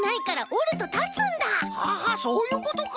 そういうことか！